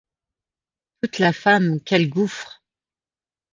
Toute la femme, quel gouffre !